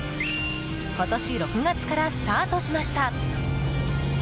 今年６月からスタートしました。